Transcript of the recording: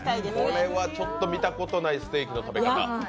これはちょっと見たことないステーキの食べ方。